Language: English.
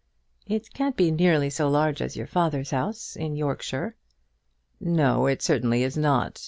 "It can't be nearly so large as your father's house in Yorkshire." "No; certainly it is not.